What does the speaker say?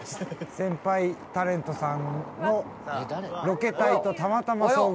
先輩タレントさんのロケ隊とたまたま遭遇します。